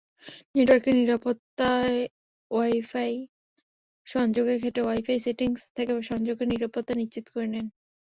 নেটওয়ার্কের নিরাপত্তাওয়াই-ফাই সংযোগের ক্ষেত্রে ওয়াই-ফাই সেটিংস থেকে সংযোগের নিরাপত্তা নিশ্চিত করে নিন।